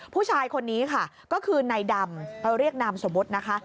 ผู้ชายคนนี้ค่ะก็คือนายดำเรียกนามสมมุตินะคะ